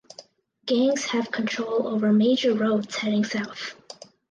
Gangs have control over major roads heading south.